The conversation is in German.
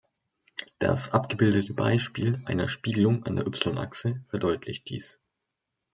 Das abgebildete Beispiel einer Spiegelung an der Y-Achse verdeutlicht dies.